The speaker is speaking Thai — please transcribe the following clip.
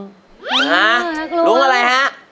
นักล้วงอะไรฮะ